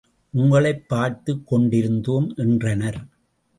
உங்களைப் பார்த்துக் கொண்டிருந்தோம் என்றனர்.